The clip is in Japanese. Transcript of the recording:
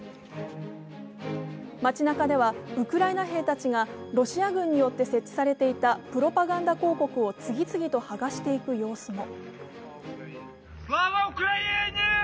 街なかではウクライナ兵たちがロシア軍によって設置されていたプロパガンダ広告を次々とはがしていく様子も。